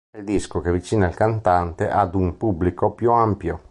È il disco che avvicina il cantante ad un pubblico più ampio.